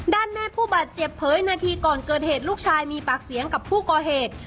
แม่ผู้บาดเจ็บเผยนาทีก่อนเกิดเหตุลูกชายมีปากเสียงกับผู้ก่อเหตุ